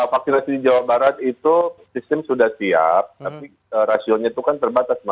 vaksinasi di jawa barat itu sistem sudah siap tapi rasionya itu kan terbatas mbak